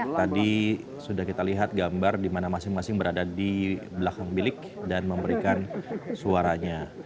tadi sudah kita lihat gambar di mana masing masing berada di belakang bilik dan memberikan suaranya